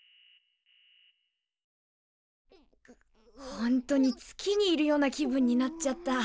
ほんとに月にいるような気分になっちゃった。